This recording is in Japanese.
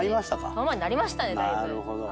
遠回りになりましたねだいぶ。